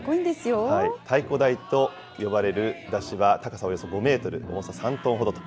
太鼓台と呼ばれる山車は、高さおよそ５メートル、重さ３トンほどと。